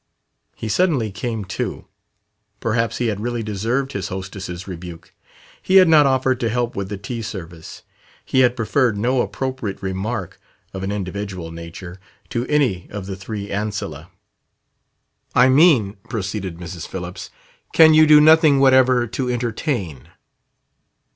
He suddenly came to. Perhaps he had really deserved his hostess' rebuke. He had not offered to help with the tea service; he had preferred no appropriate remark, of an individual nature, to any of the three ancillae.... "I mean," proceeded Mrs. Phillips, "can you do nothing whatever to entertain?"